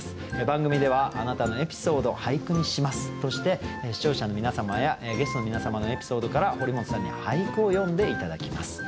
番組では「あなたのエピソード、俳句にします」として視聴者の皆様やゲストの皆様のエピソードから堀本さんに俳句を詠んで頂きます。